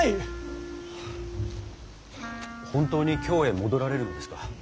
本当に京へ戻られるのですか。